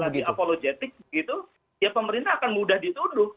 apalagi apologetic gitu pemerintah akan mudah ditunduk